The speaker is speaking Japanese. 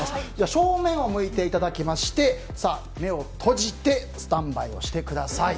正面を向いていただきまして目を閉じてスタンバイをしてください。